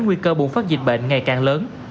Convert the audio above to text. nguy cơ bùng phát dịch bệnh ngày càng lớn